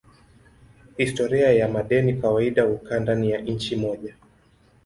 Historia ya madeni kawaida hukaa ndani ya nchi moja.